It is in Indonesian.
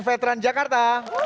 dari upn veteran jakarta